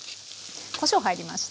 こしょう入りました。